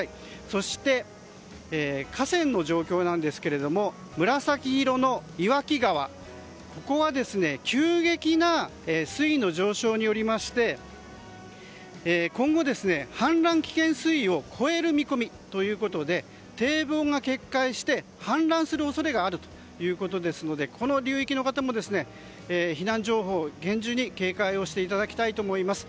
そして、河川の状況ですが紫色の岩木川は、急激な水位の上昇によりまして今後、氾濫危険水位を超える見込みということで堤防が決壊して氾濫する恐れがあるということですのでこの流域の方も避難情報を厳重に警戒をしていただきたいと思います。